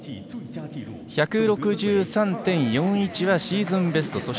１６３．４１はシーズンベスト。